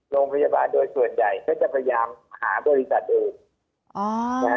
โรงพยาบาลโดยส่วนใหญ่ก็จะพยายามหาบริษัทอื่น